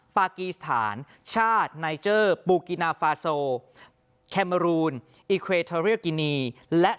ปากีสถานชาติไนเจอร์ปูกินาฟาโซแคมเมอรูนอิเครเทอเรียกินีและ